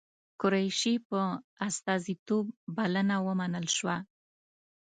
قریشي په استازیتوب بلنه ومنل شوه.